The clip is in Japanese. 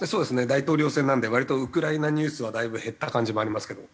大統領選なんで割とウクライナニュースはだいぶ減った感じもありますけど。